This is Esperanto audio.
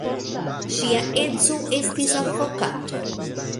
Ŝia edzo estis advokato.